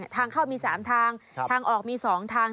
ทางเข้ามี๓ทางทางออกมี๒ทาง